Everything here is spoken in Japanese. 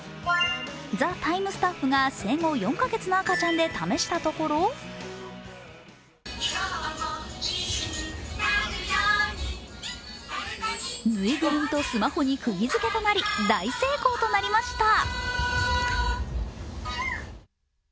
スタッフが生後４カ月の赤ちゃんで試したところ、ぬいぐるみとスマホにクギづけとなり大成功となりました。